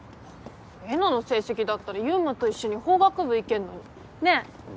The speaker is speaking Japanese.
えなの成績だったら悠真と一緒に法学部いけんのに。ねぇ？